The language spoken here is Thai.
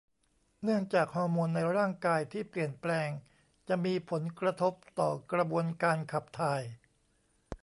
เนื่องจากฮอร์โมนในร่างกายที่เปลี่ยนแปลงจะมีผลกระทบต่อกระบวนการขับถ่าย